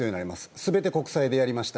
すべて国債でやりました。